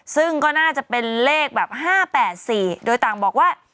ซึ่งก็น่าจะเป็นเลขแบบ๕๘๔โดยต่างบอกว่า